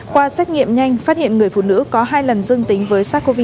qua xét nghiệm nhanh phát hiện người phụ nữ có hai lần dương tính với sars cov hai